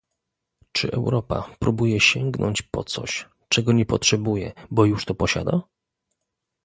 Czy Europa próbuje sięgnąć po coś, czego nie potrzebuje, bo już to posiada?